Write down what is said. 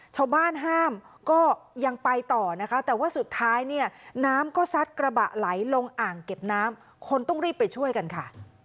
ชาวบ้านห้ามก็ยังไปต่อนะคะแต่ว่าสุดท้ายเนี่ยน้ำก็ซัดกระบะไหลลงอ่างเก็บน้ำคนต้องรีบไปช่วยกันค่ะ